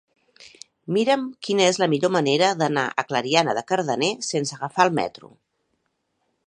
Mira'm quina és la millor manera d'anar a Clariana de Cardener sense agafar el metro.